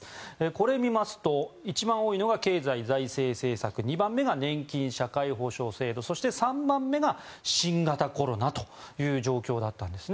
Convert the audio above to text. これを見ますと一番多いのが経済・財政政策２番目が年金・社会保障制度３番目が新型コロナという状況だったんです。